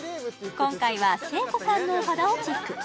今回は誠子さんのお肌をチェック